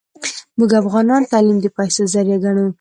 موږ افغانان تعلیم د پیسو ذریعه ګڼو